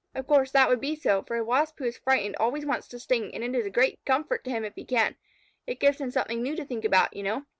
Of course, that would be so, for a Wasp who is frightened always wants to sting, and it is a great comfort to him if he can. It gives him something new to think about, you know.